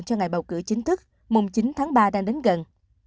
cho ngày bầu cử chính thức mùng chín tháng ba đang đến gần